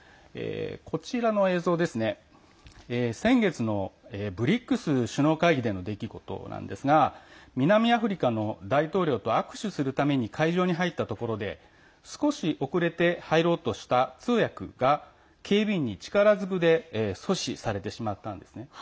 こちらの映像先月のＢＲＩＣＳ首脳会議での出来事なんですが南アフリカの大統領と握手するために会場に入ったところで少し遅れて入ろうとした通訳が警備員に力ずくで阻止されてしまったんですね。